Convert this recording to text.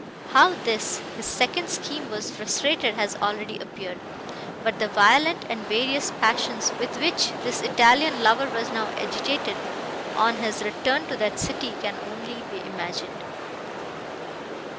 How this, his second scheme, was frustrated, has already appeared; but the violent, and various passions with which this Italian lover was now agitated, on his return to that city, can only be imagined.